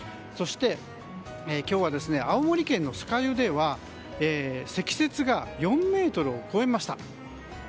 そして、今日は青森県の酸ヶ湯では積雪が４ｍを超えました。